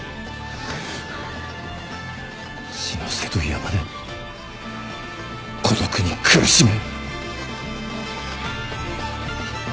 死の瀬戸際まで孤独に苦しめ。